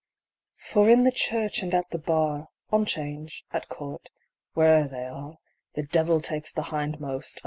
For in the church, and at the bar, On 'Change, at court, where'er they arc, The devil takes the hindmost